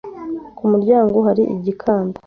Ku muryango hari igikanda.